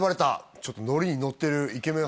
ちょっとノリにノッてるイケメン